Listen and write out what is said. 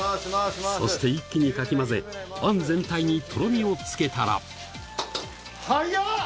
そして一気にかき混ぜ、あん全体にとろみをつけたら。